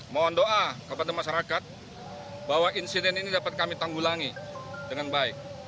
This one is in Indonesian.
mohon doa kepada masyarakat bahwa insiden ini dapat kami tanggulangi dengan baik